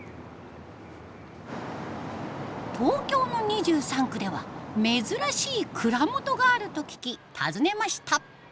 東京の２３区では珍しい蔵元があると聞き訪ねました。